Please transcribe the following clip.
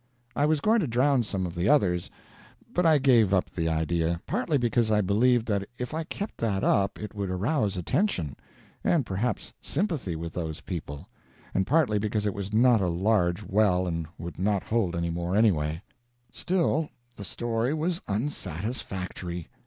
I was going to drown some of the others, but I gave up the idea, partly because I believed that if I kept that up it would arouse attention, and perhaps sympathy with those people, and partly because it was not a large well and would not hold any more anyway. Still the story was unsatisfactory.